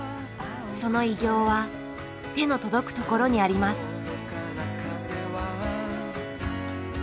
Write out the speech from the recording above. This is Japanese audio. その偉業は手の届くところにあります。